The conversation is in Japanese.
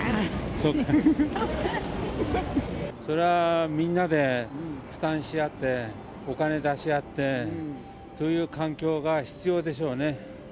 それはみんなで負担し合って、お金出し合ってという環境が必要でしょうね。